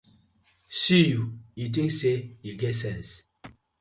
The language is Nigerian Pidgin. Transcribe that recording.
See yu, yu tink say yu get sence.